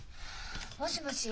もしもし？